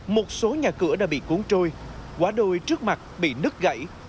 một số nhà cửa đã bị cuốn trôi quá đôi trước mặt bị nứt gãy